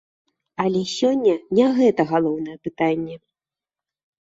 Але сёння не гэта галоўнае пытанне.